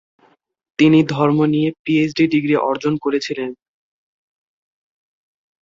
তিনি ধর্ম নিয়ে পিএইচডি ডিগ্রি অর্জন করেছিলেন।